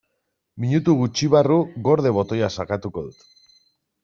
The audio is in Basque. Minutu gutxi barru "gorde" botoia sakatuko dut.